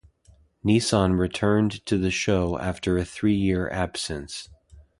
Nissan returned to the show after a three-year absence.